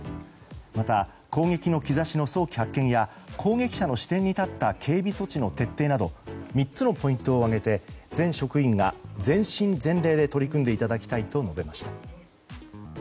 また、攻撃の兆しの早期発見や攻撃者の視点に立った警備措置の徹底など３つのポイントを挙げて全職員が全身全霊で取り組んでいただきたいと述べました。